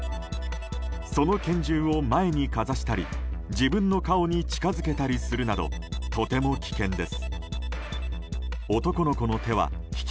その拳銃を前にかざしたり自分の顔に近づけたりするなどとても危険です。